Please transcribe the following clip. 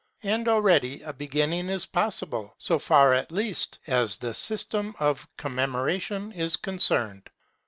And already a beginning is possible, so far at least as the system of commemoration is concerned.